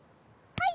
はい！